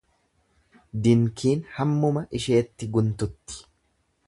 Dinkiin hammuma isheetti guntutti.